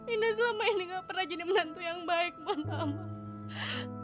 ina selama ini nggak pernah jadi menantu yang baik ma ma